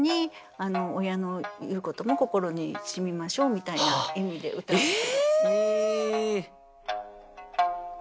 みたいな意味で歌われて。